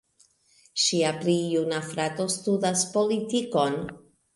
Ŝia pli juna frato studas politikon.